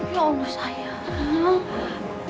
ya allah sayang